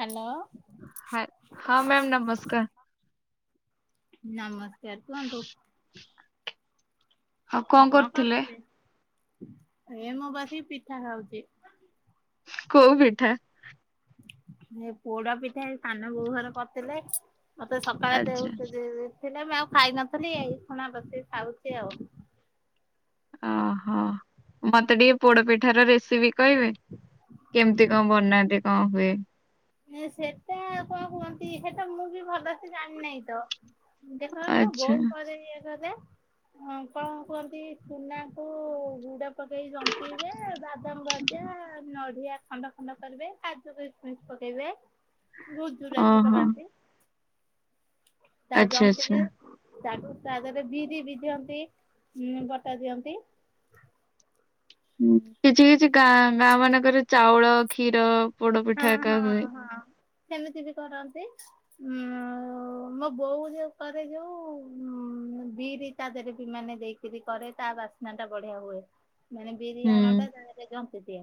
Hello. Hi ହଁ ma'am ନମସ୍କାର। ନମସ୍କାର କୁହନ୍ତୁ। ଆଉ କଣ କରୁଥିଲେ କରୁଥୁଲେ ଏ ମୁଁ ବସିକି ପିଠା ଖାଉଚି। କୋଉ ପିଠା? ଏ ପୋଡା ପିଠା ଏଇ ସାନ ବୋଉ ଘର କରିଥିଲେ। ମତେ ସକାଳେ ଦେଉ ଆଚ୍ଛା [unintelligible] ଥିଲେ ମୁଁ ଆଉ ଖାଇନଥିଲି ଏଇ ଖୁଣା ବସିକି ଖାଉଚି ଆଉ। ଓହୋ ମତେ ଟିକେ ପୋଡ ପିଠା ର ରେସିପି କହିବେ କେମତି? କଣ ବନାନ୍ତି କଣ ହୁଏ? ଇଏ ସେଟା କଣ କୁହନ୍ତି ସେଟା ମୁଁ ବି ଭଲସେ ଜାଣିିନାଇଁ ତ। [unintelligible] ଆଚ୍ଛା ବୋଉ କରେ ଇଏ କରେ। ହଁ ପା କୁହନ୍ତି ଚୁନା କୁ ଗୁଡା ପକେଇ ଜନ୍ତିବେ ବାଦାମ ଭଜା ନଡିଆ ଖଣ୍ଡ ଖଣ୍ଡ କରିବେ କାଜୁ କିସମିସ ପକେଇବେ ଗୁଜୁରାତି ଓହୋ ପକାନ୍ତି। ତାକୁ ଆଚ୍ଛା ଆଚ୍ଛା ଜନ୍ତିକି ତାକୁ ତା ଦେହରେ ବିରି ବି ଦିଅନ୍ତି ଉ ବଟା ଦିଅନ୍ତି। ଉଁ କିଛି କିଛି ଗାଁ ଗାଁ ମାନଙ୍କରେ ଚାଉଳ କ୍ଷୀର ପୋଡ ପିଠା ଏକା ହୁଏ। ସେମିତି ବି କରନ୍ତି ଉଁ ମୋ ବୋଉ ଯୋ କରେ ଯୋଉ ବିରି ତା ଦେହରେ ବି ମାନେ ଦେଇକ କିରି କରେ ତା ବାସ୍ନା ଟା ବଢିଆ ହୁଏ। ମାନେ ବିରି ଆଣ ଟା ହୁଁ ତାଦେହ ରେ ଜନ୍ତି ଦିଏ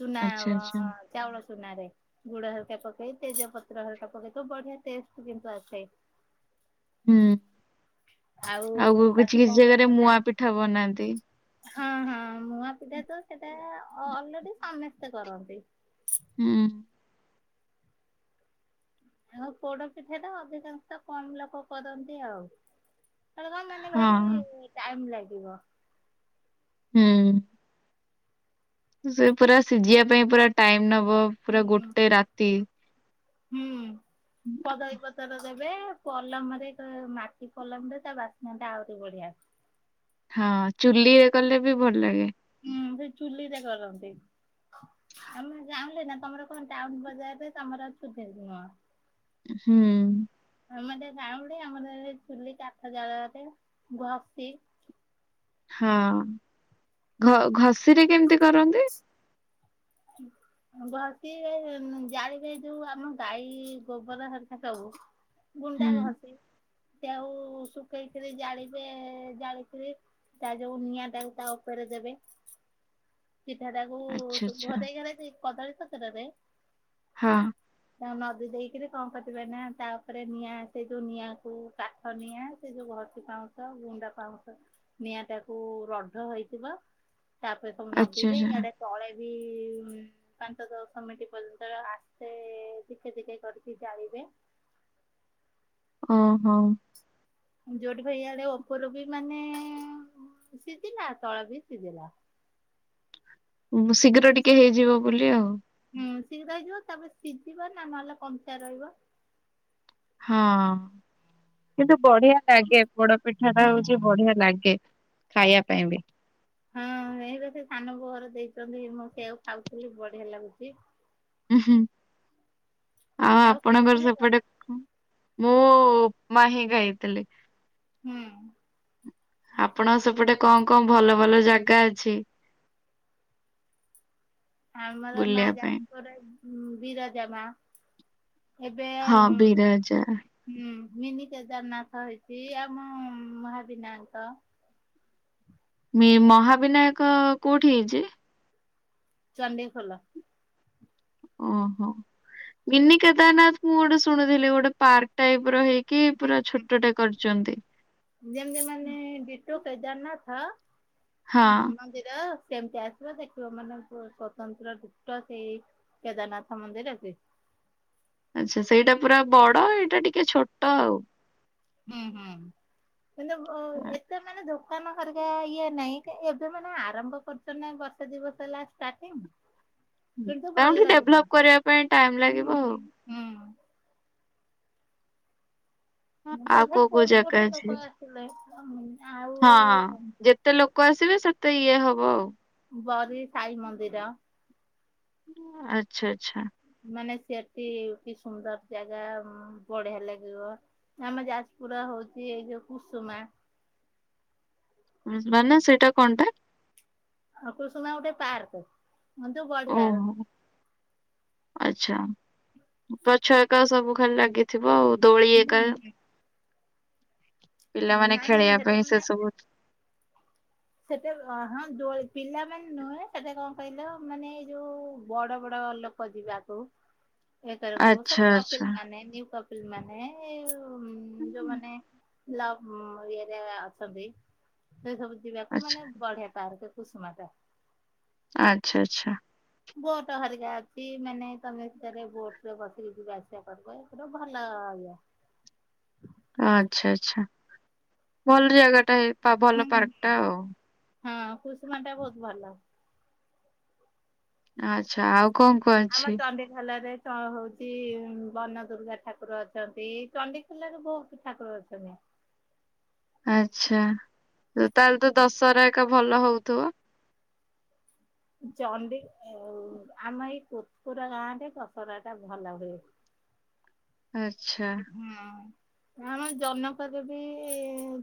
ଚୁନା ଆଚ୍ଛା ଆଁ ଆଚ୍ଛା। ଚାଉଳ ଚୂନାରେ ଗୁଡ ହାଲକା ପକେଇ ତେଜ ପତ୍ର ହାଲକା ପକେଇ ଥିବ ବଢିଆ ଟେଷ୍ଟ କିନ୍ତୁ ଆସେ। [inaudible] ହୁଁ ଆଉ ତାକୁ କିଛି କଣ କିଛି କରିବ ଜାଗାରେ ନା ମୁୂଆ ପିଠା ବନାନ୍ତି ହଁ ହଁ ମୁଁଆ ପିଠା ତ ସେଇଟା ଅଲରେଡି ସମେସ୍ତେ କରନ୍ତି। ହୁଁ ଆଉ ପୋଡ ପିଠାଟା ଅଧିକାଂଶ ତ କମ ଲୋକ କରନ୍ତି ଆଉ ସେଟା କଣ ମାନେ ଭାରି ହଁ। ଟାଇମ ଲାଗିବ ହୁଁ ସେ ପୁରା ସିଝିବା ପାଇଁ ପୁରା ଟାଇମ ନବ ପୁରା ହୁଁ ଗୋଟେ ରାତି ହୁଁ କଦଳୀ ପତର ଦ ଯେ ପଲମରେ ଏକ ମାଟି ପଲମରେ ତା ବାସ୍ନାଟା ଆହୁରି ବଢିଆ- ହଁ ଚୁଲିରେ କଲେ ବି ଭଲ ଲାଗେ ହୁଁ ସେ ଚୁଲିରେ କରନ୍ତି। ଆମେ ଗାଉଁଲେ ନା ତମର କଣ ଟାଉନ ବଜାରରେ ତମର [unintelligible] ହୁଁ ଆମେ ସେ ରାଉଡି ଆମର ଚୁଲି କାଠ ଜାଳରେ ଘଷି ହଁ ଘ ଘଷିରେ କେମିତି କରନ୍ତି? [inaudible] [unintelligible] ଘଷି ହେଇ ଜାଳିବାଇ ଯୋଉ ଆମ ଗାଈ ଗୋବର ହେରିକା ସବୁ ହୁଁ ଗୁଣ୍ଡା ଘଷି ତାକୁ ଶୁଖେଇକିରି ଜାଳିବେ ଜାଳିକରି ତା ଯୋଉ ନିଆଁ ତାକୁ ତା ଉପରେ ଦେବେ ପିଠାଟାକୁ ଆଚ୍ଛା ସେ ଆଚ୍ଛା ଘରେଇ ଘରେଇ କଦଳୀ ପତ୍ରରରେ ହଁ ତା ନଦୀ ଦେଇକରି କଣ କରିବ ନା ତା ଉପରେ ନିଆଁ ସେଇ ଯୋଉ ନିଆଁକୁ ତା ଧନିଆ ସେ ଯୋଉ ଘସି ପାଉଁଛ ଗୁଣ୍ଡା ପାଉସ ନିଆଁ ଟାକୁ ରଢ ହେଇଥିବ ତାପରେ ସବୁ ଆଚ୍ଛା ନଦିବେ ଆଚ୍ଛା ଇଆଡେ ତଳେ ବି ପାଞ୍ଚ ଦଶ ମିନିଟ ପର୍ଯ୍ୟନ୍ତ ଆସ୍ତେ ଧିକେ ଧିକେ କରିକି ଜାଳିବେ ଓହୋ ଯୋଉଠି ଭାଇଆଡେ ଉପର ବି ମାନେ ସିଝିଲା ତଳ ବି ସିଝିଲା ଉ ଶୀଘ୍ର ଟିକେ ହେଇଯିବ ବୋଲି ଆଉ ହୁଁ ଶୀଘ୍ର ହେଇଯିବ ତାପରେ ସିଝିବ ନା ନହେଲେ କଞ୍ଚା ରହିବ ହଁ କିନ୍ତୁ ବଢିଆ ଲାଗେ ପୋଡ ପିଠା ଟା ହଉଛି ବଢିଆ ଲାଗେ ଖାଇବା ପାଇଁ ବି ହେଇପା ସେ ସାନ ବୋ ଘର ଦେଇଛନ୍ତି ମୁଁ ସେଆକୁ ଖାଉଥିଲି ବଢିଆ ଲାଗୁଛି ଉ ହୁଁ ଆଉ ଆପଣଙ୍କର ଖାଇଥିଲେ କଣ ସେପଟେ ମୁଁ ଉପମାହିଁ ଗାଇଥିଲି ହୁଁ ଆପଣଙ୍କ ସେପଟେ କଣ କଣ ଭଲ ଭଲ ଜାଗା ଅଛି? ଆମର ମା ବୁଲିବା ପାଇଁ? ଯାଜପୁର ରେ ବିରଜା ମା ଏବେ ଆଉ ହଁ ହୁ ବିରଜା ହୁଁ ମିନି କେଦାରନାଥ ହେଇଛି ଆମ ମହାବିନାୟକ ମୀ ମହାବିନାୟକ କୋଉଠି ହେଇଛି? ଚଣ୍ଡିଖୋଲ ଓହୋ ବିିନି କେଦାରନାଥ ମୁଁ ଗୋଟେ ଶୁଣୁଥିଲି ଗୋଟେ ପାର୍କ ଟାଇପର ହେଇକି ପୁରା ଛୋଟଟେ କରିଚନ୍ତି। ଯେମତି ମାନେ ଡିଟୋ କେଦାରନାଥ ହଁ ମନ୍ଦିର ସେମତିଆ ଦେଖିବ ମାନେ ସ୍ଵତନ୍ତ୍ର ଡିଟୋ ସେଇ କେଦାରନାଥ ମନ୍ଦିର ଅଛି। ଆଚ୍ଛା। ସେଇଟା ପୁରା ବଡ ଏଇଟା ଟିକେ ଛୋଟ ଆଉ। ହୁଁ ହୁଁ, କିନ୍ତୁ ଏତେ ମାନେ ଦୋ ଦୋକାନ ହେରିକା ଇଏ ନାଇଁ, କାଇଁ ଏବେ ମାନେ ଆରମ୍ଭ କରୁଛ ନାଇଁ ବର୍ଷେ ଦି ବର୍ଷ ହେଲା ଷ୍ଟାର୍ଟିଂ କିନ୍ତୁ ଭଲ ଆଉ ବି ଲାଗୁଛି। ଡେଭଲପ କରିବା ପାଇଁ ଟାଇମ ହୁଁ ଲାଗିବ ହୁଁ ଆଉ। ହୁଁ। ଆଉ ତଥାପି କୋଉ କୋଉ କୋଉଠୁ ଜାଗା କୋଉଠୁ ଅଛି? ଲୋକ ଆସିଥିଲେ [unintelligible] ଆଉ ହଁ ଯେତେ ଲୋକ ଆସିବେ, ସେତେ ଇଏ ହବ ଆଉ। ବରି ସାଇ ମନ୍ଦିର ଅଁ ଆଚ୍ଛା ଆଚ୍ଛା। ମାନେ ସେଠି ବି ସୁନ୍ଦର ଜାଗା ଉମ୍ ବଢିଆ ଲାଗିବ। ଆମ ଯାଜପୁର ହଉଛି ଏଇ ଯୋଉ କୁସୁମା। କୁସୁମା ନା ସେଇଟା କଣଟା? ଆଉ କୁସୁମା ଗୋଟିଏ ପାର୍କ। ହଁ ତ ବଢିଆ। ଓହୋ ଆଚ୍ଛା। ଗଛ ହେକା ସବୁ ଖାଲି ଲାଗିଥିବ ଆଉ। ଦୋଳି ଏକା, ପିଲାମାନେ ନାଇଁ ନାଇଁ ଖେଳିବା ସେଟା ପାଇଁ ସେସବୁ ସେଟେ ହଁ ଦୋଳି ପିଲାମାନେ ନୁହେଁ, ସେଟେ କଣ କହିଲ ମାନେ ଏଇ ଯୋଉ ବଡ ବଡ ଲୋକ ଖୋଜିବାକୁ [inaudible] ଏ ତର କ ଆଚ୍ଛା ସବୁ କପିଲ ଆଚ୍ଛା ମାନେ ନ୍ୟୁ କପ ପିଲ ମାନେ ଏଇ ଯୋଉମାନେ ଲଭ ଇଏରେ ଅଛନ୍ତି ସେ ସବୁ ଯିବାକୁ ଆଚ୍ଛା। ମାନେ ବଢିଆ ପାର୍କ କୁସୁମାଟା। ଆଚ୍ଛା ଆଚ୍ଛା। ବୋଟ ହରିକା ଅଛି ମାନେ ତମେ ସେଥିରେ ବୋଟରେ ବସିକି ଯିବା ଆସିବା କରିବ, ଏ ଗୋଟେ ଭଲ ଇଏ। ଆଚ୍ଛା ଆଚ୍ଛା। ଭଲ ଜାଗାଟା ଏଇ ପା ଭଲ ହୁଁ। ପାର୍କଟା ଆଉ। ହଁ କୁସୁମାଟା ବହୁତ ଭଲ। ଆଚ୍ଛା। ଆଉ କଣ କଣ ଆମର ଅଛି? ଚଣ୍ଡି ଭଲରେ ତ ହଉଛି ବନ ଦୁର୍ଗା ଠାକୁର ଅଛନ୍ତି, ଚଣ୍ଡିଖୋଲାରେ ବହୁତ ତ ଠାକୁର ଅଛନ୍ତି। ଆଚ୍ଛା। ତାହେଲେ ତ ଦଶହରା ଏକା ଭଲ ହଉଥିବ? ଚଣ୍ଡି ଆଉ ଆମ ଏଇ କୋତପୁରା ଗାଁରେ ଦଶରାଟା ଭଲ ହୁଏ। ଆଚ୍ଛା। ହଁ ଆମ ଜନକରେ ବି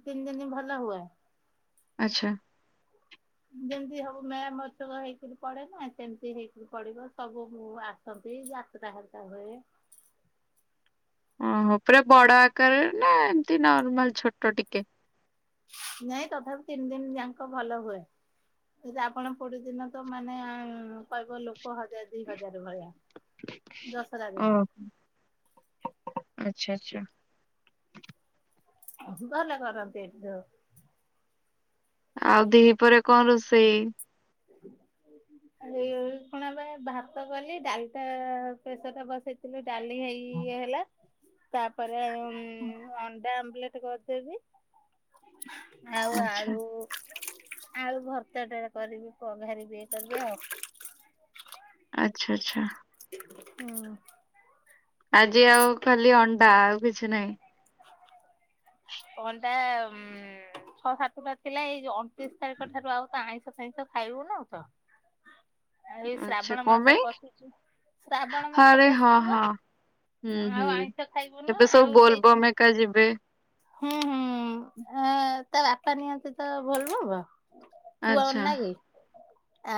ତିନି ଦିନ ଭଲ ହୁଏ। ଆଚ୍ଛା। ଯେମତି ହବ ମେଳା ମହୋତ୍ସବ ହେଇକିରି ପଡେ ନା, ସେମତି ହେଇକିରି ପଡିବ। ସବୁ ମୁଁ ଆସ [unintelligible] ଯାତ୍ରା ହେରିକା ହୁଏ ଓହୋ। ପୁରା ବଡ ଆକାରରେ ନା, ଏମତି ନର୍ମାଲ ଛୋଟ ଟିକେ? ନାଇଁ ତଥାପି ତିନି ଦିନ ଯାକ ଭଲ ହୁଏ। ଯଦି ଆପଣ କୋଉଠି ଦିନ ତ ମାନେ କହିବ ଲୋକ ହଜାର ଦି ହଜାର ଭଳିଆ, ଦଶରା ଓଃ, ଦିନ। ଆଚ୍ଛା ଆଚ୍ଛା। ଭଲ କରନ୍ତି ଏଠି ସବୁ। ଆଉ ଦ୍ଵିପହରେ କଣ ରୋଷେଇ? [inaudible] ଆରେ ଇଏ କଣ ପାଇଁ ଭାତ କଲି, ଡାଲିଟା ପ୍ରେସରରେ ବସେଇ ଥିଲୁ ଡାଲି ହେଇ ଇଏ ହେଲା ତାପରେ ଅନ୍ ଅଣ୍ଡା ଆମ୍ବଲେଟ କରିଦେବି ଆଉ ଆଚ୍ଛା, ଆଳୁ ଆଳୁ ଭର୍ତ୍ତା ଟା କରିବି ପଘାରିବି ଇଏ କରିବି ଆଉ। ଆଚ୍ଛା ଆଚ୍ଛା। ହୁଁ। ଆଜି ଆଉ ଖାଲି ଅଣ୍ଡା ଆଉ କିଛି ନାହିଁ। ଅଣ୍ଡା ଉଁ। ଛଅ ସାତଟା ଥିଲା ଏଇ ଯୋଉ ଅଣତିରିଶ ତାରିଖ ଠାରୁ ଆଉ ତ ଆଇଁଷ ଫାଇଁଷ ଖାଇବୁନୁ ତ ଆଉ ଏଇ [inaudible] ଆଛା ଶ୍ରାବଣ କଣ ମାସ ପାଇଁ ପଶିଚି ଶ୍ରାବଣ ମାସ ଆରେ ହଁ ପଶିଯିବ ହଁ। ହୁଁ ଆଉ ହୁଁ ଆଇଁଷ ଖାଇବୁନୁ ଏବେ ସବୁ ଆଉ ବୋଲ ସେଇ ବମ୍ ହେକା ଯିବେ। ହୁଁ ହୁଁ ଆ ତା ବାପା ନିଅନ୍ତି ତ ବୋଲବବ। ପୁଅ ଆଚ୍ଛା, ନାଗି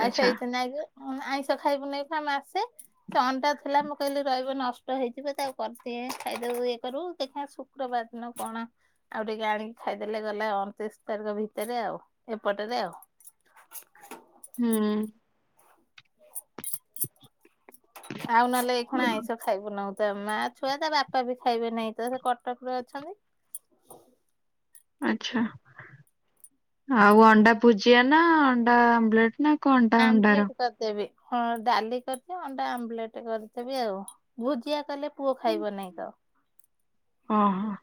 ଆ ଆଚ୍ଛା। ସେଇଥି ନାଗି। ମୁଁ କଇଲି ଆଇଁଷ ଖାଇବୁନୁ ଏଇଖିଣା ମାସେ। ସେ ଅଣ୍ଡା ଥିଲା ମୁଁ କହିଲି ରହିବନି ନଷ୍ଟ ହେଇଯିବ ତାକୁ କରିଦିଏ ଖାଇଦବୁ ଇଏ କରିବୁ ଦେଖିବା ଶୁ ଶୁକ୍ରବାରଦିନ କଣ। ଆଉ ଟିକେ ଆଣିକି ଖାଇଦେଲେ ଗଲା ଅଣତିରିଶ ତାରିଖ ଭିତରେ ଆଉ ଏପଟରେ ଆଉ। [inaudible] ହୁଁ। ଆଉ ନହେଲେ ଏଇ ଖୁଣା ଆଇଁଷ ଖାଇବୁନୁ ତ ମା ଛୁଆ ତା ବାପା ବି ଖାଇବେ ନାହିଁ ତ ସେ କଟକରେ ଅଛନ୍ତି। ଆଛା ଆଉ ଅଣ୍ଡା ଭୁଜିଆ ନା ଅଣ୍ଡା ଆମ୍ଲେଟ ନା। କଣଟା ଅଣ୍ଡାର? ଆମ୍ବଲେଟ କରିଦେବି ହଁ ଡାଲି କରିଚି ଅଣ୍ଡା ଆମ୍ବଲେଟ କରିଦେବି ଆଉ। ଭୁଜିଆ କଲେ ପୁଅ ଖାଇବ ନାହିଁ ତ। ଅଁ ହଁ।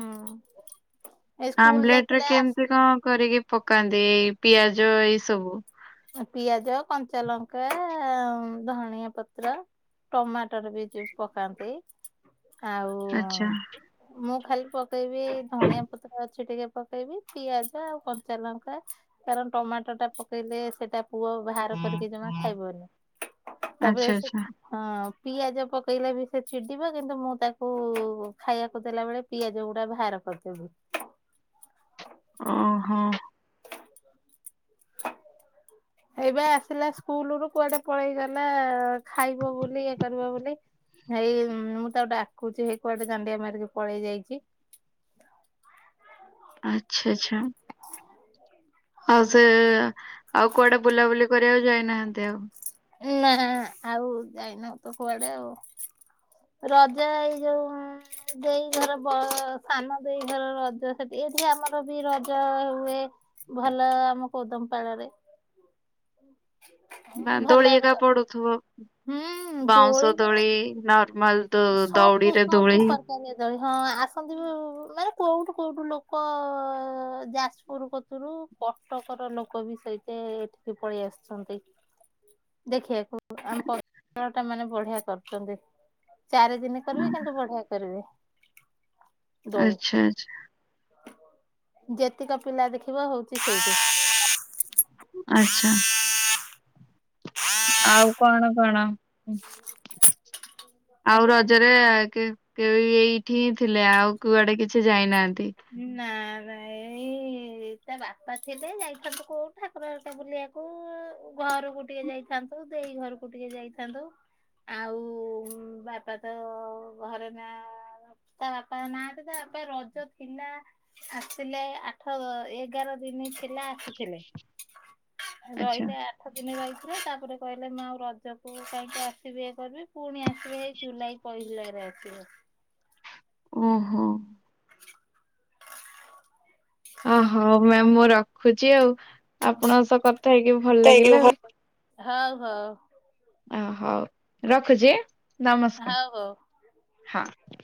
ହୁଁ। ଆମ୍ଲେଟ ରେ କେମିତି କଣ କରିକି ପକାନ୍ତି ଏଇ ପିଆଜ ଏଇ ସବୁ। ପିଆଜ କଞ୍ଚା ଲଙ୍କା ଧନିଆ ପତ୍ର। ଟମାଟର ବି ଯିଏ ପକାନ୍ତି। ଆଉ ଆଛା। ମୁଁ ଖାଲି ପକେଇବି ଏଇ ଧଣିଆ ପତ୍ର ଅ ଅଛି ଟିକେ ପକେଇବି ପିଆଜ ଆଉ କଞ୍ଚା ଲଙ୍କା କାରଣ ଟମାଟୋ ଟା ପକେଇଲେ। ସେଟା ପୁଅ ବାହାର କରିକି ଜମା ଖାଇବନି। ତାପରେ ଆଚ୍ଛା ସେ ଆଚ୍ଛା ହଁ ପିଆଜ ପକେଇଲେ ବି ସେ ଚିଡିବ। କିନ୍ତୁ ମୁଁ ତାକୁ ଖାଇବାକୁ ଦେଲା ବେଳେ ପିଆଜ ଗୁଡା ଭାର କରିଦେବି। ଅଁ ହଁ। ହେଇବା ଆସିଲା ସ୍କୁଲ ରୁ କୁଆଡେ ପଳେଇଗଲା। ଖାଇବ ବୋଲି ଇଏ କରିବ ବୋଲି ‌। ହେଇ ମୁଁ ତାକୁ ଡାକୁଚି। ହେଇ କୁଆଡେ ଦାଣ୍ଡିଆ ମାରିକି ପଳେଇ ଯାଇଚି। ଆଚ୍ଛା ଛା। ଆଉ ସେ ଆଉ କୁଆଡେ ବୁଲାବୁଲି କରିବାକୁ ଯାଇନାହାନ୍ତି ଆଉ। ନା ଆଉ ଯାଇନୁ ତ କୁଆଡେ ଆଉ। ରଜ ଏଇ ଯୋଉ ଉଁ ଦେଇ ଘର ବ ସାନ ଦେଇ ଘର ରଜ। ସେଠି ଏଠି ଆମର ବି ରଜ ହୁଏ। ଭଲ ଆମ କୋଦମପାଳରେ। ନା ଭଲ ଦୋଳି ଏକ ର ଏକା ପଡୁଥିବ। ହୁଁ ବାଉଁଶ ନା ଦୋଳି ନ ନହେଲେ ଦୋ ଦଉଡିରେ ଦୋଳି। ତନି ଦୋଳି ହଁ ଆସନ୍ତି ବି ମାନେ କୋଉଠୁ କୋଉଠୁ ଲୋକ ଯାଜପୁର କତରୁ। କଟକର ଲୋକ ବି ସହିତେ ଏଠିକି ପଳେଇ ଆସିଛନ୍ତି। ଦେଖିବାକୁ ଆମ ପଟଳ ଟା ମାନେ ବଢିଆ କରୁଚନ୍ତି। ଚାରି ଦିନି କରିବେ କିନ୍ତୁ ବଢିଆ କରିବେ। ଦୋଳି ଆଚ୍ଛା ଆଛା। ଯେତିକ ପିଲା ଦେଖିବେ ହଉଛି ସେଇଠି। ଆଚ୍ଛା। ଆଉ କଣ କଣ ଆଉ ଆଜ୍ଞା ରଜରେ କେ ଏଇଠି ହିଁ ଥିଲେ ଆଉ କୁଆଡେ କିଛି ଯାଇନାହାନ୍ତି? ନାରାଇ ତା ବାପା ଥିଲେ ଯାଇଥାନ୍ତୁ କୋଉଠା କରଟେ ବୁଲିବାକୁ ଘରକୁ ଟିକେ ଯାଇଥାନ୍ତୁ। ଦେଇ ଘରକୁ ଟିକେ ଯାଇଥାନ୍ତୁ। ଆଉ ବାପା ତ ଘରେ ନା ତା ବାପା ନାହାନ୍ତି। ତା ବାପା ରଜ ଥିଲା ଆସିଥିଲେ ଆଠ ଏଗାର ଦିନି ଥିଲା ଆସିଥିଲେ। ଆଚ୍ଛା। ରହିଲେ ଆ ଆଠ ଦିନି ରହିଥିଲେ ତାପରେ କହିଲେ ମା ଆଉ ରଜକୁ କାହିଁକି ଆସିବି। ଇଏ କରିବି ପୁଣି ଆ ଏଇ ଜୁଲାଇ ପହିଲାରେ ଆସିବେ। ଓହୋ। [inaudible] ଓହୋ ମ୍ୟାାମ ମୁଁ ରଖୁଛି। ଆଉ ଆପଣଙ୍କ ସହ କଥା ହେଇକି ଭଲ ହଉ ଲାଗିଲା ହଉ। ଓ ହଉ ରଖୁଛି ଆଁ ହଉ ହଉ। ନମସ୍କାର ହଁ।